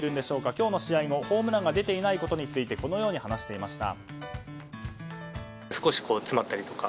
今日の試合後ホームランが出ていないことについてこのように話していました。